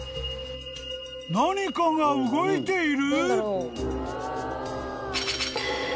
［何かが動いている？］